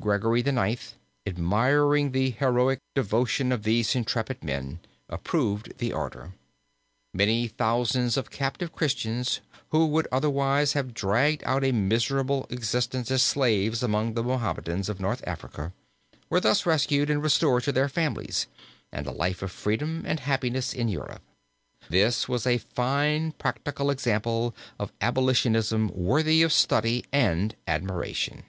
Gregory IX., admiring the heroic devotion of these intrepid men, approved the order. Many thousands of captive Christians who would otherwise have dragged out a miserable existence as slaves among the Mahometans of North Africa, were thus rescued and restored to their families and a life of freedom and happiness in Europe. This was a fine practical example of Abolitionism worthy of study and admiration.